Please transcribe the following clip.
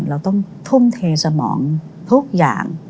เราต้องทุ่มเทสมองทุกอย่าง